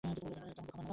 কেমন বোকা বানালাম!